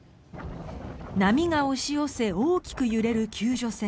波が押し寄せ大きく揺れる救助船。